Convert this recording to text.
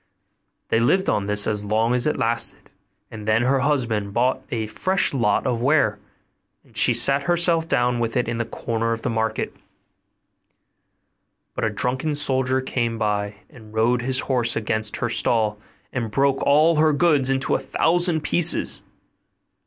They lived on this as long as it lasted; and then her husband bought a fresh lot of ware, and she sat herself down with it in the corner of the market; but a drunken soldier soon came by, and rode his horse against her stall, and broke all her goods into a thousand pieces.